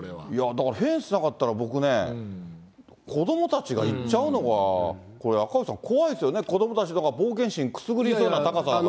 だからフェンスなかったら、僕ね、子どもたちが行っちゃうのが、これ、赤星さん、怖いですよね、子どもたちの冒険心くすぐりそうな高さやから。